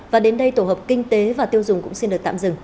và đến đây tổ hợp kinh tế và tiêu dùng cũng xin được tạm dừng